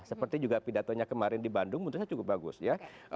seperti juga pidatonya kemarin di bandung menurut saya cukup bagus ya